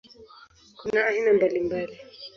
Kuna aina mbalimbali.